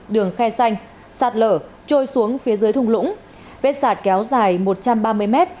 đường khe xanh sạt lở trôi xuống phía dưới thùng lũng vết sạt kéo dài một trăm ba mươi mét